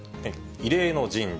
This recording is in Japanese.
異例の人事。